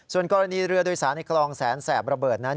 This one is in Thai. ส่วนกรณีเรือโดยสารในคลองแสนแสบระเบิดนั้น